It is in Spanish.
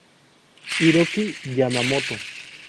Hiroki Yamamoto